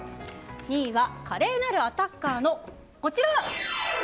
２位は華麗なるアタッカーのこちら。